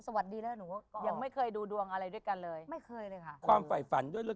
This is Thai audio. ตามรวมตามคิดตั้งนานแต่เจอกันในทีวี